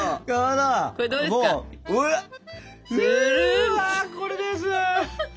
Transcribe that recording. うわこれです！